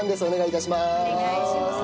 お願いします。